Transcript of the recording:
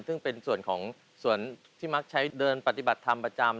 ซึ่งเป็นส่วนของส่วนที่มักใช้เดินปฏิบัติธรรมประจำ